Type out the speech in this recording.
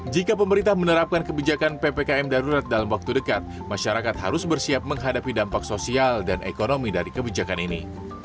jika pemerintah menerapkan kebijakan ppkm darurat dalam waktu dekat masyarakat harus bersiap menghadapi dampak sosial dan ekonomi dari kebijakan ini